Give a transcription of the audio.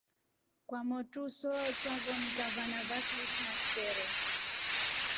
Kwamotu so twavonika van ava kilfu na vaksero.